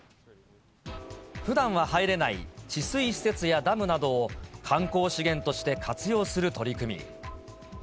ふだんは入れない治水施設やダムなどを、観光資源として活用する取り組み。